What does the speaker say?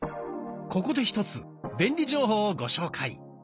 ここで１つ便利情報をご紹介。